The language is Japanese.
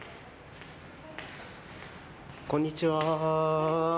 こんにちは。